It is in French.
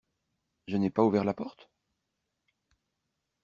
Je n’ai pas ouvert la porte ?